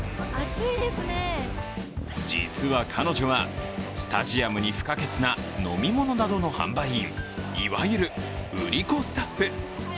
実は彼女はスタジアムに不可欠な飲み物などの販売員、いわゆる売り子スタッフ。